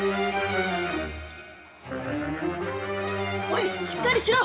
おいしっかりしろ。